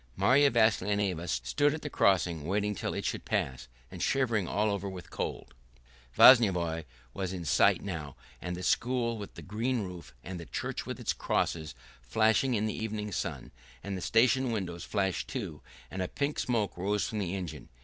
Marya Vassilyevna stood at the crossing waiting till it should pass, and shivering all over with cold. Vyazovye was in sight now, and the school with the green roof, and the church with its crosses flashing in the evening sun: and the station windows flashed too, and a pink smoke rose from the engine...